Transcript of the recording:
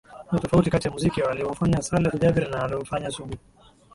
Kuna tofauti kati ya muziki aliofanya Saleh Jabir na aliofanya Sugu